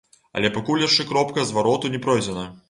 Але пакуль яшчэ кропка звароту не пройдзена.